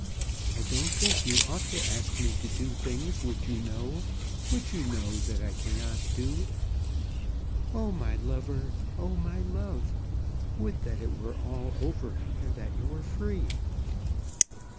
I don't think you ought to ask me to do things which you know, which you know that I cannot do. Oh, my lover! oh, my love! would that it were all over, and that you were free!"